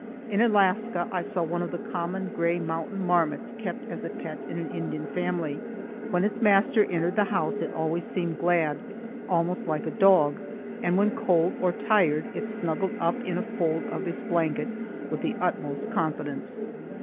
In Alaska I saw one of the common gray mountain marmots kept as a pet in an Indian family. When its master entered the house it always seemed glad, almost like a dog, and when cold or tired it snuggled up in a fold of his blanket with the utmost confidence.